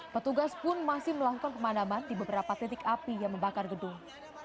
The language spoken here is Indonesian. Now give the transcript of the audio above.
petugas pun masih melakukan pemadaman di beberapa titik api yang membakar gedung